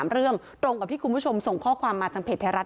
เรื่องตรงกับที่คุณผู้ชมส่งข้อความมาทางเพจไทยรัฐ